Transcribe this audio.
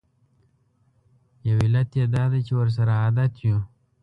یو علت یې دا دی چې ورسره عادت یوو.